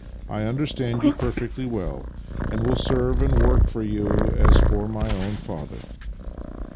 " I understand you perfectly well, and will serve and work for you as for my own father."